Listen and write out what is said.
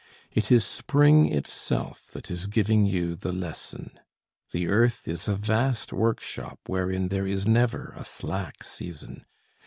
It is spring itself that is giving you the lesson. The earth is a vast workshop wherein there is never a slack season.